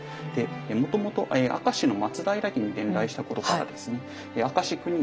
もともと明石の松平家に伝来したことからですね